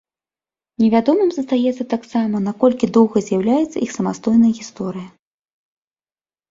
Невядомым застаецца таксама, наколькі доўгай з'яўляецца іх самастойная гісторыя.